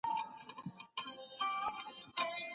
د څېړونکي لپاره په تحقیق کې هر ډول امتیازات بې مانا دي.